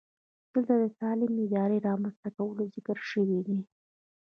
دلته د سالمې ادارې د رامنځته کولو ذکر شوی دی.